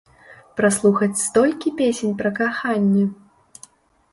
Праслухаць столькі песень пра каханне.